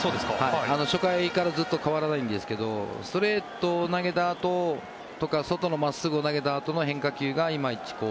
初回からずっと変わらないんですけどストレートを投げたあととか外の真っすぐを投げたあとの変化球がいまいち。